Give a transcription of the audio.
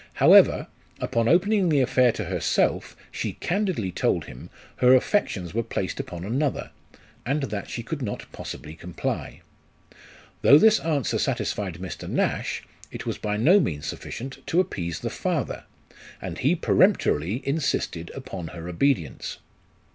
However, upon opening the affair to herself, she candidly told him her affections were placed upon another, and that she could not possibly comply. Though this answer satisfied Mr. Nash, it was by no means sufficient to appease the father ; and he peremptorily insisted upon her obedience.